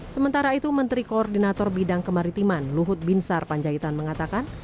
sementara itu menteri koordinator bidang kemaritiman luhut binsar panjaitan mengatakan